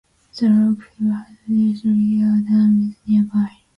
The rock-fill hydro-electric Yale Dam is nearby.